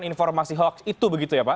informasi hoax itu begitu ya pak